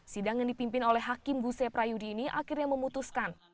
sidang yang dipimpin oleh hakim guse prayudini akhirnya memutuskan